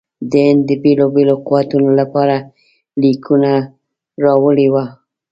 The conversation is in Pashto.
د هند د بېلو بېلو قوتونو لپاره لیکونه راوړي وه.